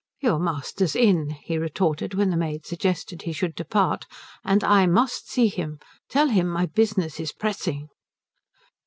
"Your master's in," he retorted, when the maid suggested he should depart, "and I must see him. Tell him my business is pressing."